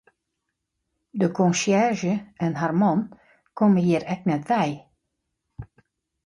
De konsjerzje en har man komme hjir ek net wei.